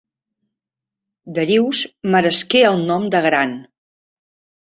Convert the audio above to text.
Darius meresqué el nom de gran.